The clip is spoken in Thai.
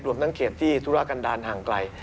ทั้งเขตที่ธุระกันดาลห่างไกล